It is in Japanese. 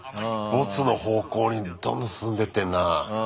ボツの方向にどんどん進んでってんな。